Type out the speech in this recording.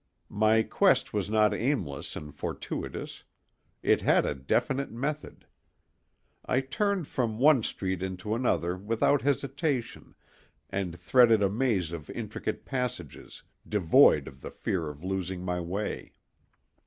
My quest was not aimless and fortuitous; it had a definite method. I turned from one street into another without hesitation and threaded a maze of intricate passages, devoid of the fear of losing my way.